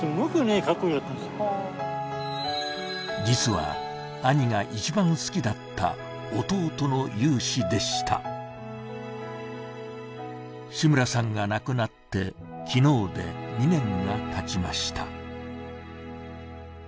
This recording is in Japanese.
実は兄が１番好きだった弟の勇姿でした志村さんが亡くなって昨日で２年がたちました